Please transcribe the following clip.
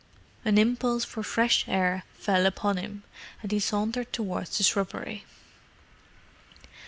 An impulse for fresh air fell upon him, and he sauntered towards the shrubbery.